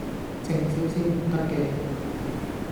靜少少唔得嘅